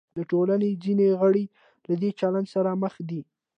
د ټولنې ځینې غړي له دې چلند سره مخ دي.